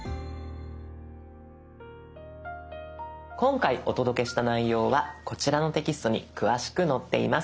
今回お届けした内容はこちらのテキストに詳しく載っています。